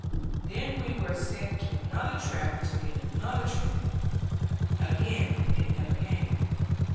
Then we were sent to another track to meet another train. Again it never came.